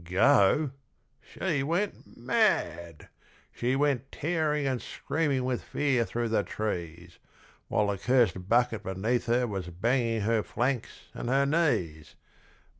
Go! She went mad! She went tearing and screaming with fear through the trees, While the curst bucket beneath her was banging her flanks and her knees.